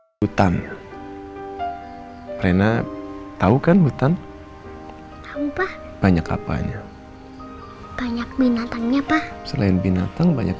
hai hutan rena tahu kan hutan apa banyak apanya banyak binatangnya pak selain binatang banyak